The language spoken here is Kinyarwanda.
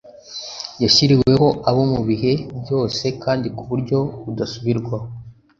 yashyiriweho abo mu bihe byose kandi ku buryo budasubirwaho